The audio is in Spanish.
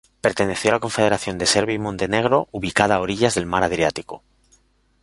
Perteneció a la confederación de Serbia y Montenegro ubicada a orillas del mar Adriático.